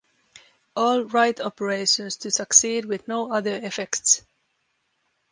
All write operations to succeed with no other effects.